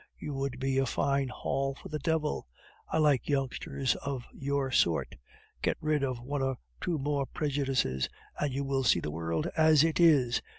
You would be a fine haul for the devil! I like youngsters of your sort. Get rid of one or two more prejudices, and you will see the world as it is.